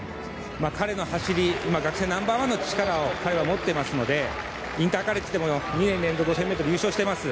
彼の走り、今学生ナンバー１の力を彼は持ってるのでインターカレッジでも２年連続で５０００ｍ優勝しています。